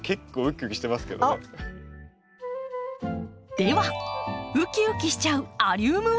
ではウキウキしちゃうアリウムワールドへ。